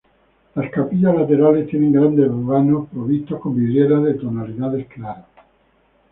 Las capillas laterales tienen grandes vanos provistos con vidrieras de tonalidades claras.